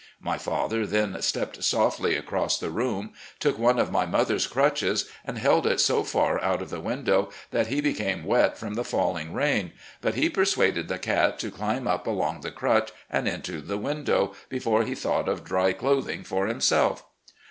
My father then stepped softly across the room, took one of my mother's crutches, and held it so far out of the window that he became wet from the falling rain; but he persuaded the cat to dimb up along the crutch, and into 2 SO RECOLLECTIONS OP GENERAL LEE the window, before he thought of dry clothing for him self.